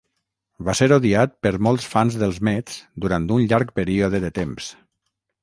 Va ser odiat per molts fans dels Mets durant un llarg període de temps.